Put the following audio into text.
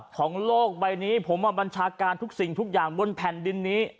ของโลกใบนี้ผมมาบัญชาการทุกสิ่งทุกอย่างบนแผ่นดินนี้